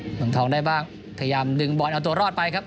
เมืองทองได้บ้างพยายามดึงบอลเอาตัวรอดไปครับ